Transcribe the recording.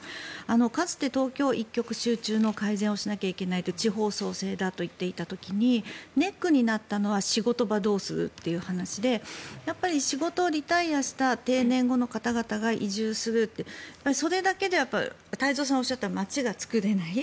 かつて東京一極集中の改善をしないといけないと地方創生だと言っていた時にネックになったのは仕事場をどうするということで仕事をリタイアした定年後の方々が移住するってそれだけでは太蔵さんがおっしゃった街が作れない。